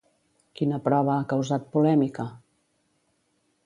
Quina prova ha causat polèmica?